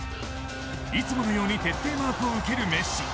いつものように徹底マークを受けるメッシ。